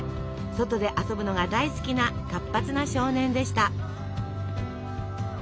外で遊ぶのが大好きな活発な少年でした。